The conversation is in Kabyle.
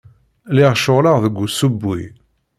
Lliɣ ceɣleɣ deg usewwi.